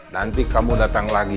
nanti kamu datang lagi